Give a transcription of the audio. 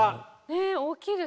え大きいですね。